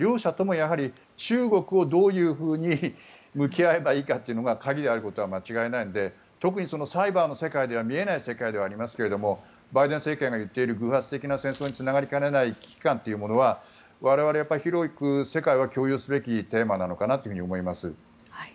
やはり中国とどういうふうに向き合えばいいのかというのが鍵であることは間違いないので特にサイバーの世界では見えない世界ではありますけどバイデン政権が言っている偶発的な戦争につながりかねない危機感というものは我々広く世界は共有すべきテーマなのかなと思います。